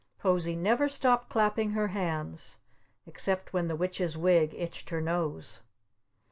Posie never stopped clapping her hands except when the Witch's Wig itched her nose.